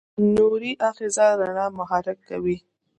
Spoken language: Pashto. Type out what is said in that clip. نوري آخذه رڼا محرک کوي.